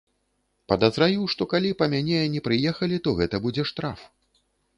Падазраю, што калі па мяне не прыехалі, то гэта будзе штраф.